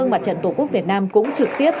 mặt trận tổ quốc việt nam cũng trực tiếp